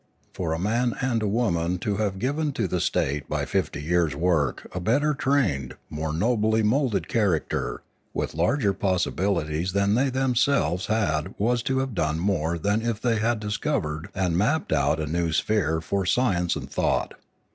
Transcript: For a man and a woman to have given to the state by fifty years' work a better trained, more nobly moulded character, with larger possibilities than they themselves had was to have done more than if they had discovered and mapped out a new sphere for science and thought.